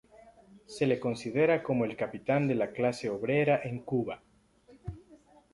Se le considera como el "Capitán de la clase obrera" en Cuba.